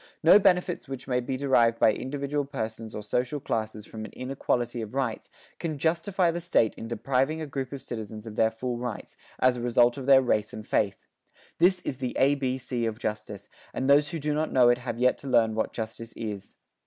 No benefits which may be derived by individual persons or social classes from an inequality of rights can justify the State in depriving a group of citizens of their full rights, as a result of their race and faith. This is the A B C of justice, and those who do not know it have yet to learn what justice is.